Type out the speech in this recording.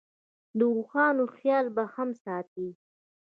د اوښانو خیال به هم ساتې.